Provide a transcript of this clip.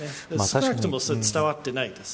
少なくともそれは伝わっていないです。